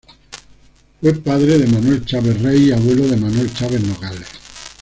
Fue padre de Manuel Chaves Rey y abuelo de Manuel Chaves Nogales.